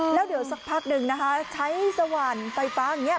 แล้วเดี๋ยวสักพักหนึ่งนะคะใช้สว่านไฟฟ้าอย่างนี้